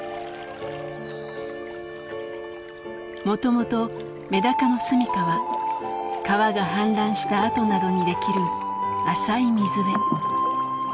もともとメダカの住みかは川が氾濫したあとなどに出来る浅い水辺。